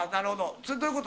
それどういうこと？」